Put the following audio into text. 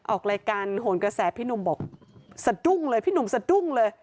ออกรายการโหนกระแสพี่หนุ่มบอกสะดุ้งเลยพี่หนุ่มสะดุ้งเลย